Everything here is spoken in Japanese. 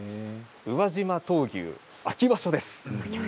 宇和島闘牛秋場所です。